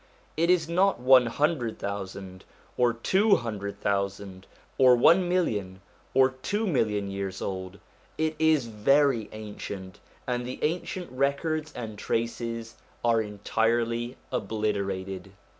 It is not one hundred thousand, or two hundred thousand, or one million or two million years old; it is very ancient, and the ancient records and traces are entirely obliterated.